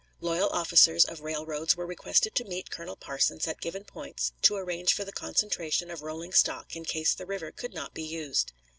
Loyal officers of railroads were requested to meet Colonel Parsons at given points to arrange for the concentration of rolling stock in case the river could not be used.